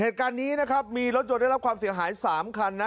เหตุการณ์นี้นะครับมีรถยนต์ได้รับความเสียหาย๓คันนะ